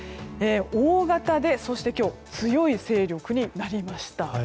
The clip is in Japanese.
大型で今日、強い勢力になりました。